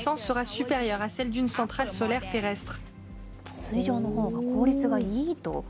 水上のほうが効率がいいと。